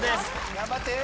頑張って！